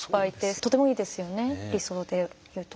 とてもいいですよね理想で言うと。